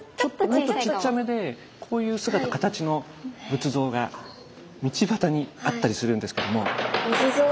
もっとちっちゃめでこういう姿形の仏像が道端にあったりするんですけども。